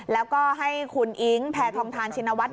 แล้วก็ให้คุณอิ๊งแพทองทานชินวัฒ